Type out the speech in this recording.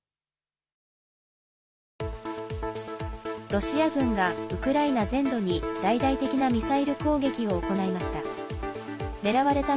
ロシア軍が、ウクライナ全土に大々的なミサイル攻撃を行いました。